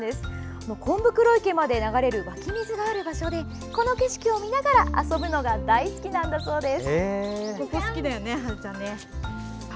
こんぶくろ池まで流れる湧き水がある場所でこの景色を見ながら遊ぶのが大好きなんだそうです。